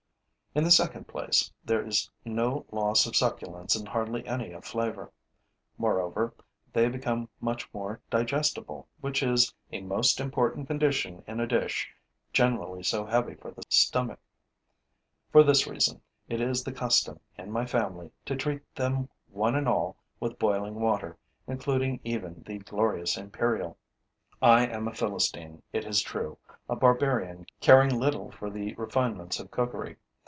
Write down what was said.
In the second place, there is no loss of succulence and hardly any of flavor. Moreover, they become much more digestible, which is a most important condition in a dish generally so heavy for the stomach. For this reason, it is the custom, in my family, to treat them one and all with boiling water, including even the glorious imperial. I am a Philistine, it is true, a barbarian caring little for the refinements of cookery.